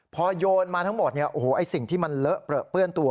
พอโยนมาทั้งหมดเนี่ยโอ้โหไอ้สิ่งที่มันเลอะเปลือเปื้อนตัว